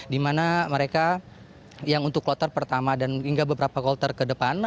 di mana mereka yang untuk kloter pertama dan hingga beberapa kloter ke depan